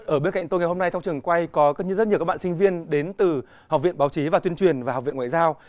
ở bên cạnh tôi ngày hôm nay trong trường quay có rất nhiều các bạn sinh viên đến từ học viện báo chí và tuyên truyền và học viện ngoại giao